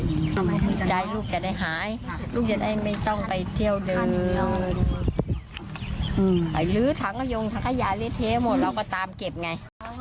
มีใจลูกจะได้หายลูกจะได้ไม่ต้องไปเที่ยวดื่มหายลื้อทั้งยงทั้งกระยายเลือดเท้หมดเราก็ตามเก็บไง